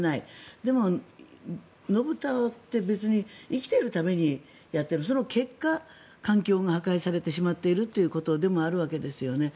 でも、野豚って別に生きてるためにやっていてその結果、環境が破壊されてしまっているということでもあるわけですよね